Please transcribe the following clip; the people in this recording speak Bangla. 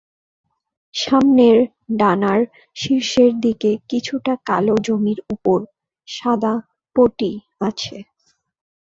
সামনের ডানার শীর্ষের দিকে কিছুটা কালো জমির ওপর সাদা পটি আছে।